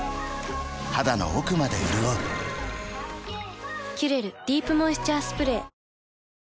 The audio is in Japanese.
肌の奥まで潤う「キュレルディープモイスチャースプレー」なんか綺麗になった？